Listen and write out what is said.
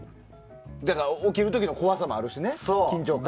だから起きる時の怖さがあるしね、緊張感が。